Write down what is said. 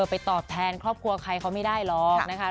ไปตอบแทนครอบครัวใครเขาไม่ได้หรอกนะคะ